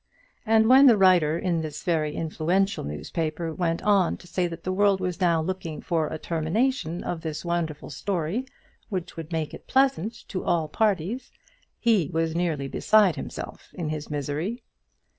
And when the writer in this very influential newspaper went on to say that the world was now looking for a termination of this wonderful story, which would make it pleasant to all parties, he was nearly beside himself in his misery.